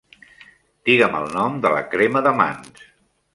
Digue'm el nom de la crema de mans.